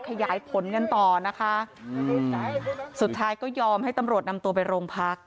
ขยายผลกันต่อนะคะสุดท้ายก็ยอมให้ตำรวจนำตัวไปโรงพัก